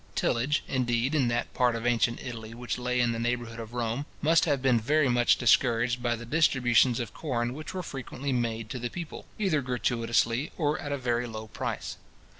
Tillage, indeed, in that part of ancient Italy which lay in the neighbour hood of Rome, must have been very much discouraged by the distributions of corn which were frequently made to the people, either gratuitously, or at a very low price.